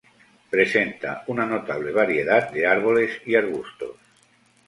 Presenta una notable variedad de árboles y arbustos.